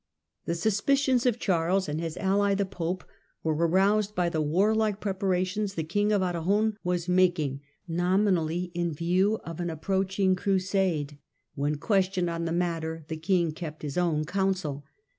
The suspicions of Charles and his ally Siciiv^ the Pope were aroused by the warlike preparations the King of Aragon was making, nominally in view of an approaching crusade ; when questioned on the matter the King kept his own counsel.